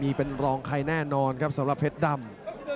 นี่เป็นรองใครแน่นอนครับสำหรับเพชรดำ